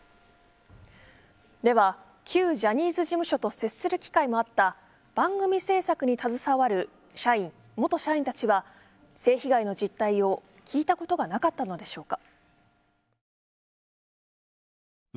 では、旧ジャニーズ事務所と接する機会もあった番組制作に携わる社員・元社員たちは性被害の実態を聞いたことがなかったのでしょうか。